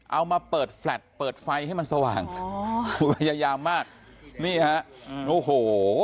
เอามาเปิดแฟลตเปิดไฟให้มันสว่างอ๋อพยายามมากนี่ฮะโอ้โห